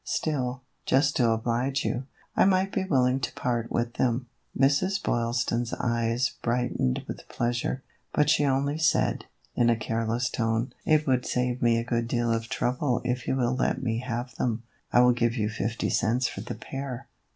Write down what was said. Still, just to oblige you, I might be willing to part with them." Mrs. Boylston's eyes brightened with pleasure, but she only said, in a careless tone :" It would save me a good deal of trouble if you will let me have them. I will give you fifty cents for the pair."